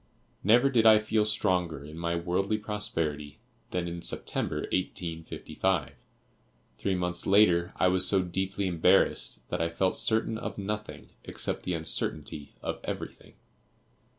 Never did I feel stronger in my worldly prosperity than in September, 1855. Three months later, I was so deeply embarrassed that I felt certain of nothing, except the uncertainty of everything.